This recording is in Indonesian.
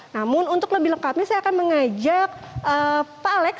namun untuk lebih lengkapnya saya akan mengajak pak alex